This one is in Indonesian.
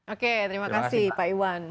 oke terima kasih pak iwan